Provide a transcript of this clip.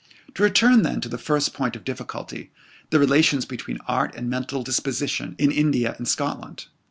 To return, then, to the first point of difficulty, the relations between art and mental disposition in India and Scotland.